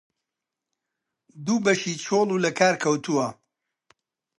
دوو بەشی چۆل و لە کار کەوتووە